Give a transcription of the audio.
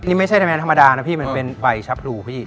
นี่ไม่ใช่แมนธรรมดานะพี่มันเป็นใบชับรูพี่